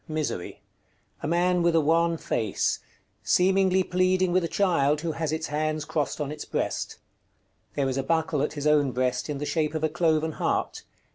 _ Misery. A man with a wan face, seemingly pleading with a child who has its hands crossed on its breast. There is a buckle at his own breast in the shape of a cloven heart.